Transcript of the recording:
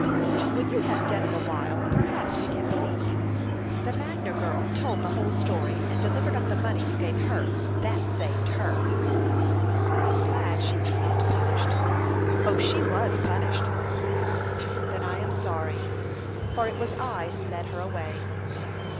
"When you have done it a while, perhaps we can believe you. The Magner girl told the whole story, and delivered up the money you gave her; that saved her." "I am glad she was not punished." "She was punished." "Then I am sorry, for it was I who led her away."